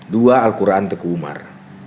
dua al quran teku umar